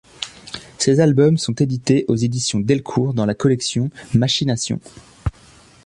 Ces albums sont édités aux éditions Delcourt dans la collection Machination.